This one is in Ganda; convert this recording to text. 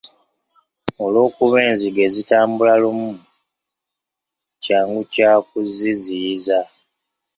Olw'okuba enzige zitambula lumu, kyangu kya kuziziyiza.